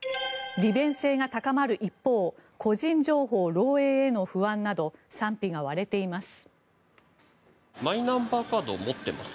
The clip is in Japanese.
利便性が高まる一方個人情報漏えいへの不安など賛否が割れています。